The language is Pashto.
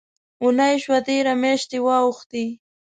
اوونۍ شوه تېره، میاشتي واوښتې